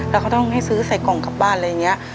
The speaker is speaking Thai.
แล้วเขาต้องให้ซื้อใส่กล่องกลับบ้านอะไรอย่างนี้